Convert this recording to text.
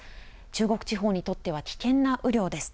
中国地方にとっては危険な雨量です。